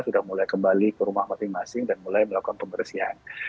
sudah mulai kembali ke rumah masing masing dan mulai melakukan pembersihan